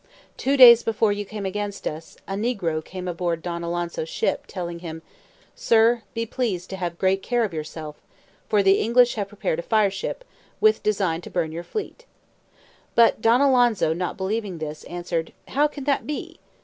Two days before you came against us, a negro came aboard Don Alonso's ship, telling him, 'Sir, be pleased to have great care of yourself; for the English have prepared a fire ship, with design to burn your fleet.' But Don Alonso not believing this, answered, 'How can that be?